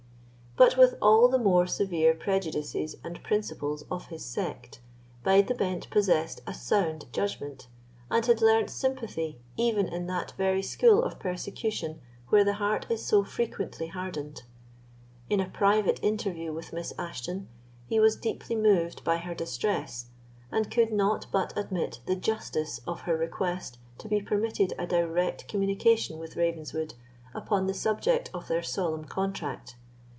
But with all the more severe prejudices and principles of his sect, Bide the Bent possessed a sound judgment, and had learnt sympathy even in that very school of persecution where the heart is so frequently hardened. In a private interview with Miss Ashton, he was deeply moved by her distress, and could not but admit the justice of her request to be permitted a direct communication with Ravenswood upon the subject of their solemn contract.